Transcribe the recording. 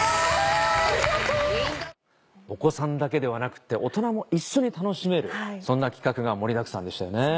お子さんだけではなくて大人も一緒に楽しめるそんな企画が盛りだくさんでしたよね。